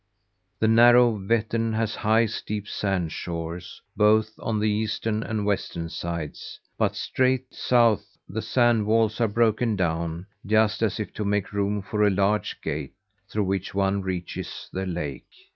The narrow Vettern has high, steep sand shores, both on the eastern and western sides; but straight south, the sand walls are broken down, just as if to make room for a large gate, through which one reaches the lake.